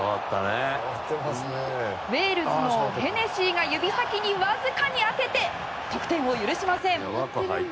ウェールズのヘネシーが指先にわずかに当てて得点を許しません。